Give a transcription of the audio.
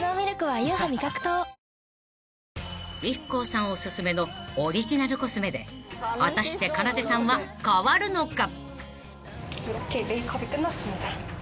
［ＩＫＫＯさんおすすめのオリジナルコスメで果たしてかなでさんは変わるのか？］